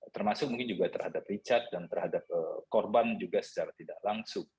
termasuk mungkin juga terhadap richard dan terhadap korban juga secara tidak langsung